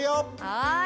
はい！